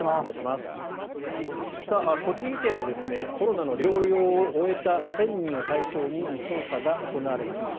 栃木県でコロナの療養を終えた１０００人を対象に調査が行われました。